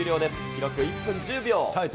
記録１分１０秒。